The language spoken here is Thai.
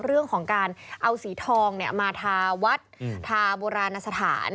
เรื่องของการเอาสีทองมาทาวัดทาโบราณสถาน